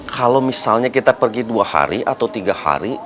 kalau misalnya kita pergi dua hari atau tiga hari